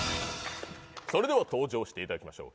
それでは登場していただきましょう。